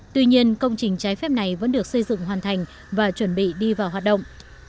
tuy nhiên công trình trái phép này vẫn được xây dựng hoàn thành và chuẩn bị đi vào hoạt động